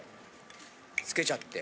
つけちゃって。